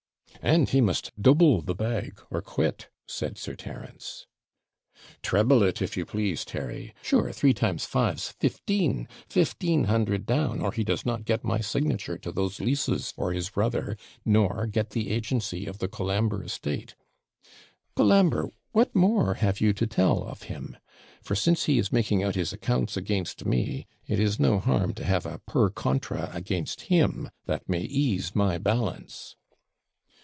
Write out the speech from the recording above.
'And he must double the bag, or quit,' said Sir Terence. 'Treble it, if you please, Terry. Sure, three times five's fifteen; fifteen hundred down, or he does not get my signature to those leases for his brother, nor get the agency of the Colambre estate. Colambre, what more have you to tell of him? for, since he is making out his accounts against me, it is no harm to have a PER CONTRA against him that may ease my balance.'